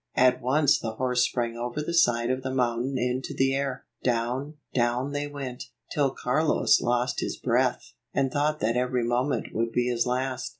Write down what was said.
At once the horse sprang over the side of the mountain into the air. Down, down they went, till Carlos lost his breath, and thought that every moment would be his last.